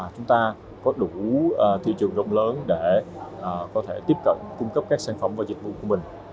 chúng ta có đủ thị trường rộng lớn để có thể tiếp cận cung cấp các sản phẩm và dịch vụ của mình